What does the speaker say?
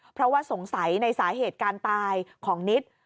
เพราะว่าสงสัยในสาเหตุการตายของนิด